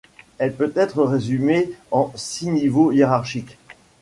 Elle peut être résumée en six niveaux hiérarchiques.